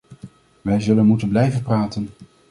Wij zullen moeten blijven praten.